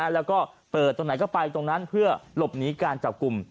แล้วก็เปิดตรงไหนก็ไปตรงนั้นเพื่อหลบหนีการจับกลุ่ม